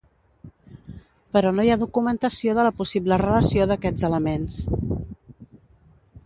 Però no hi ha documentació de la possible relació d'aquests elements.